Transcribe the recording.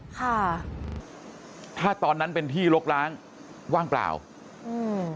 ค่ะถ้าตอนนั้นเป็นที่ลกล้างว่างเปล่าอืม